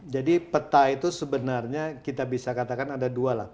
jadi peta itu sebenarnya kita bisa katakan ada dua lah